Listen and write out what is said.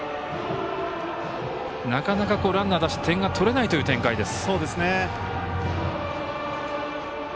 なかなか、ランナーを出して点が取れないという展開です。